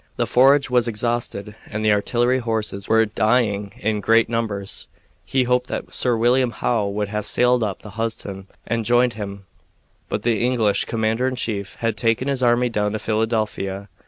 The forage was exhausted and the artillery horses were dying in great numbers. He had hoped that Sir William Howe would have sailed up the Hudson and joined him, but the English commander in chief had taken his army down to Philadelphia.